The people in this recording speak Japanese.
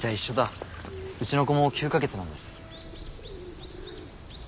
うちの子も９か月なんです。